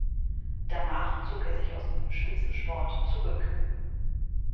Danach zog er sich aus dem Spitzensport zurück.